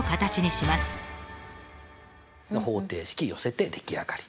方程式寄せて出来上がりと。